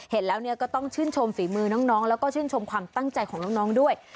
เห็นแล้วก็ต้องชื่นชมฝีมือน้องแล้วก็ชื่นชมความตั้งใจของน้องด้วย